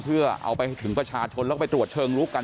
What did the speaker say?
เพื่อเอาไปถึงประชาชนแล้วก็ไปตรวจเชิงลุกกัน